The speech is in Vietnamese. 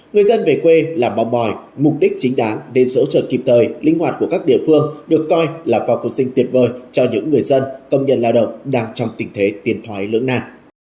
người dân về quê là bong bòi mục đích chính đáng để sở trợ kịp thời linh hoạt của các địa phương được coi là phòng công sinh tuyệt vời cho những người dân công nhân lao động đang trong tình thế tiền thoái lưỡng nạt